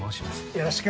よろしく。